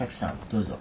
どうぞ。